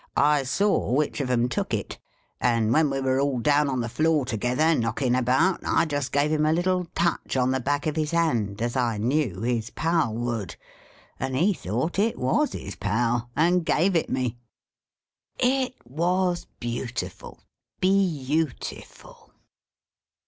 ' I saw which of 'em took it ; and when we were all down on the floor together, knocking about, I just gave him a little touch on the back of his hand, as I knew his pal would ; and he thought it WAS his pal ; and gave it me !' It was beautiful, beau ti ful